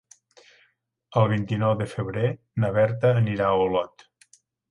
El vint-i-nou de febrer na Berta anirà a Olot.